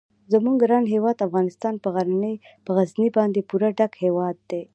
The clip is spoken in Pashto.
زموږ ګران هیواد افغانستان په غزني باندې پوره ډک هیواد دی.